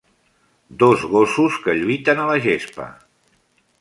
Dos gossos que lluiten en la gespa.